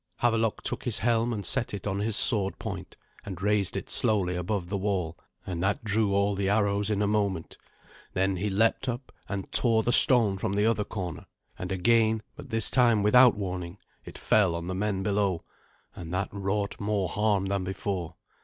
Havelok took his helm, and set it on his sword point, and raised it slowly above the wall, and that drew all the arrows in a moment. Then he leapt up, and tore the stone from the other corner; and again, but this time without warning, it fell on the men below, and that wrought more harm than before.